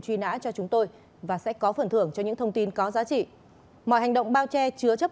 truy nã cho chúng tôi và sẽ có phần thưởng cho những thông tin có giá trị mọi hành động bao che chứa chấp